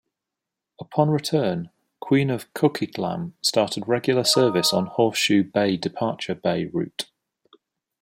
Upon return, "Queen of Coquitlam" started regular service on Horseshoe Bay-Departure Bay route.